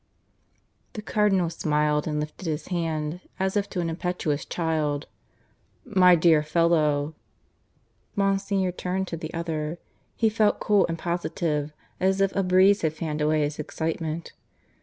The Cardinal smiled and lifted his hand, as if to an impetuous child. "My dear fellow " Monsignor turned to the other. He felt cool and positive, as if a breeze had fanned away his excitement.